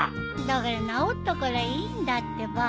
だから直ったからいいんだってば。